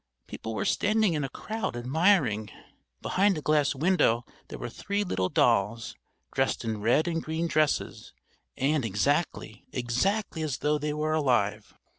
People were standing in a crowd admiring. Behind a glass window there were three little dolls, dressed in red and green dresses, and exactly, exactly as though they were alive.